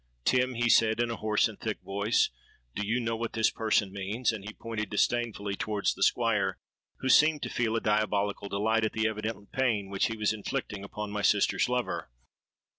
'Tim,' he said, in a hoarse and thick voice, 'do you know what this person means?' and he pointed disdainfully towards the Squire, who seemed to feel a diabolical delight at the evident pain which he was inflicting upon my sister's lover.